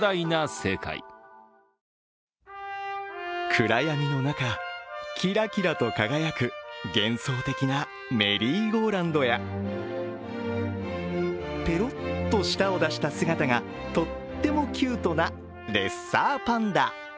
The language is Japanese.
暗闇の中、キラキラと輝く幻想的なメリーゴーラウンドや、ペロッと舌を出した姿がとってもキュートなレッサーパンダ。